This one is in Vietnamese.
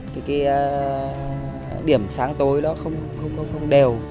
dạ em xin cảm ơn